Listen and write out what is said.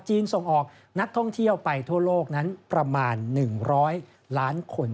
ส่งออกนักท่องเที่ยวไปทั่วโลกนั้นประมาณ๑๐๐ล้านคน